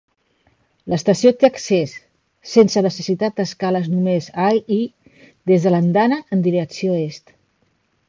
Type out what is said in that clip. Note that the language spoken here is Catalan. L'estació té accés sense necessitat d'escales només a i des de l'andana en direcció est.